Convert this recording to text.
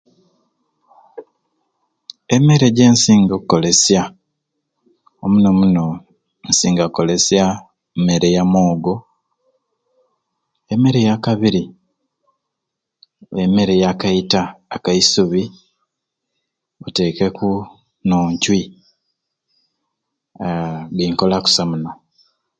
Emmere gyensinga okolesya omuno muno nsinga kolesya mmere ya mwogo emmere ya kabiri emmere ya kaita akaisubi otekeku n'oncwi haa binkola kusai muno